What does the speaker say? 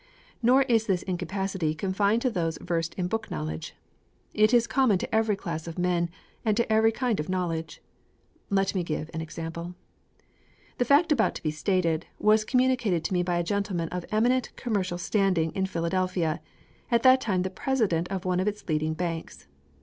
Nor is this incapacity confined to those versed in book knowledge. It is common to every class of men, and to every kind of knowledge. Let me give an example. The fact about to be stated, was communicated to me by a gentleman of eminent commercial standing in Philadelphia, at that time the President of one of its leading banks.